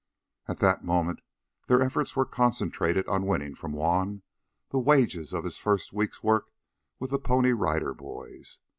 At that moment their efforts were concentrated on winning from Juan the wages of his first week's work with the Pony Rider Boys.